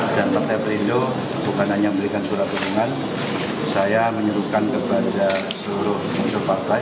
dan partai perindo bukan hanya memberikan surat dukungan saya menyuruhkan kepada seluruh unsur partai